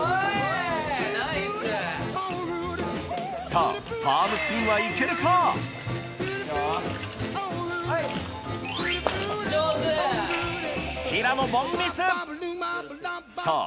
さぁパームスピンは行けるか⁉さぁ